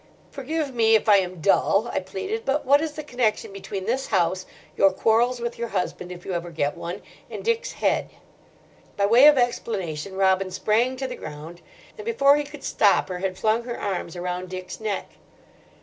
"Forgive me if I am dull," I pleaded, "but what is the connection between this house, your quarrels with your husband if you ever get one, and Dick's head?" By way of explanation, Robin sprang to the ground, and before he could stop her had flung her arms around Dick's neck.